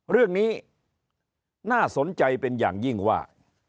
เรื่องนี้น่าสนใจเป็นอย่างยิ่งว่า